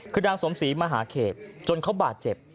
คือนางสมศรีมหาเขตจนเขาบาดเจ็บ